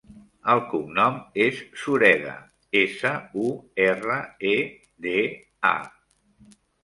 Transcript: El cognom és Sureda: essa, u, erra, e, de, a.